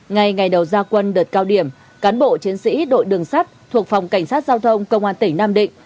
ngay ngày đầu gia quân đợt cao điểm cán bộ chiến sĩ đội đường sắt thuộc phòng cảnh sát giao thông công an tỉnh nam định